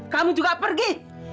kamu juga pergi